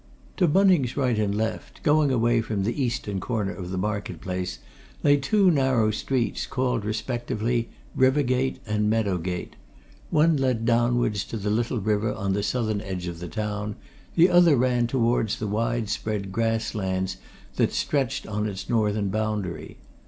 To Bunning's right and left, going away from the eastern corner of the market place, lay two narrow streets, called respectively River Gate and Meadow Gate one led downwards to the little river on the southern edge of the town; the other ran towards the wide spread grass lands that stretched on its northern boundary.